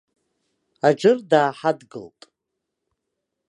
Аџыр дааҳадгылт.